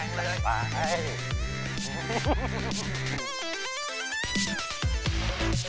ไขว้ขาไขว้ขาไขว้ขา